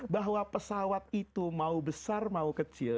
bahwa pesawat itu mau besar mau kecil